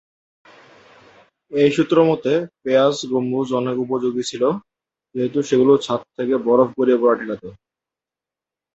এই সূত্রমতে, পেঁয়াজ গম্বুজ অনেক উপযোগী ছিল, যেহেতু সেগুলি ছাদ থেকে বরফ গড়িয়ে পরা ঠেকাত।